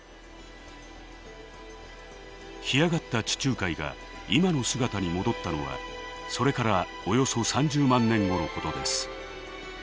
干上がった地中海が今の姿に戻ったのはそれからおよそ３０万年後のことです。